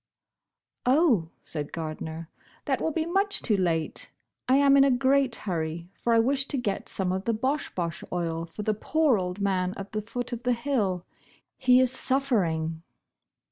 "Oh," said Gardner, "that will be much too late. I am in a great hurry, for I wish to get some of the Bosh Bosh Oil for the poor old man at the foot of the hill. He is suffering."